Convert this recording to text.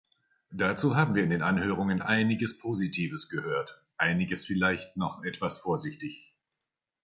Dazu haben wir in den Anhörungen einiges Positives gehört, einiges vielleicht noch etwas vorsichtig.